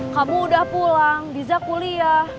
kamu udah pulang bisa kuliah